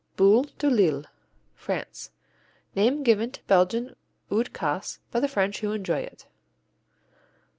Boule de Lille France Name given to Belgian Oude Kaas by the French who enjoy it.